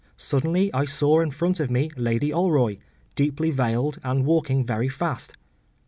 Suddenly I saw in front of me Lady Alroy, deeply veiled and walking very fast.